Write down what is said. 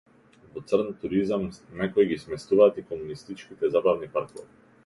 Во црн туризам некои ги сместуваат и комунистичките забавни паркови.